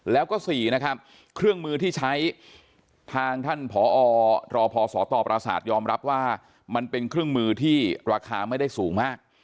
แล้วก็๔นะครับเครื่องมือที่ใช้ทางท่านผอรพศตประสาทยอมรับว่ามันเป็นเครื่องมือที่ราคาไม่ได้สูงมาก